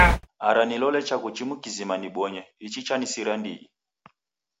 Ara nilole chaghu chimu kizima nibonye. Ichi chanisira ndighi.